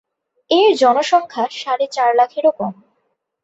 এর জনসংখ্যা সাড়ে চার লাখেরও কম।